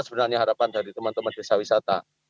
sebenarnya harapan dari teman teman desa wisata